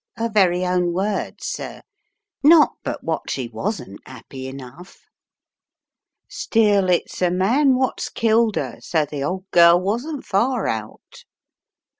'Er very own words, sir, not but what she wasn't 'appy enough Still, it's a man wot's killed 'er, so the old girl wasn't far out."